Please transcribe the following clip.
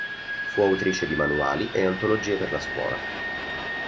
Fu autrice di manuali e antologie per la scuola.